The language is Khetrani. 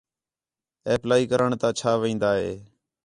اپلائی کرݨ تا چھا وین٘دا ہِے